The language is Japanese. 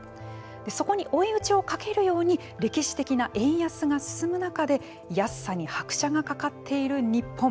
そこに追い打ちをかけるように歴史的な円安が進む中で安さに拍車がかかっている日本。